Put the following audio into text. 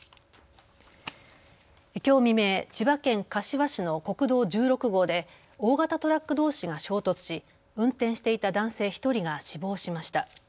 きょう未明、千葉県柏市の国道１６号で大型トラックどうしが衝突し運転していた男性１人が死亡しました。